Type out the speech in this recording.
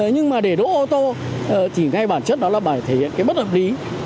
nhưng mà để đỗ ô tô thì ngay bản chất đó là phải thể hiện cái bất hợp lý